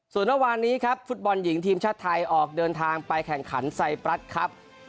ส่วนเมื่อวานนี้ครับฟุตบอลหญิงทีมชาติไทยออกเดินทางไปแข่งขันไซปรัสครับ